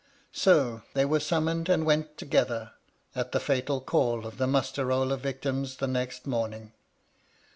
So, they were summoned and went to gether, at the fatal call of the muster roll of victims the next morning.